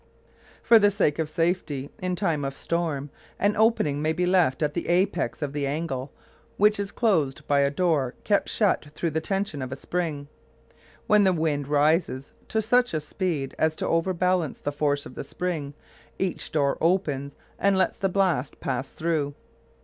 For the sake of safety in time of storm, an opening may be left at the apex of the angle which is closed by a door kept shut through the tension of a spring. When the wind rises to such a speed as to overbalance the force of the spring each door opens and lets the blast pass through.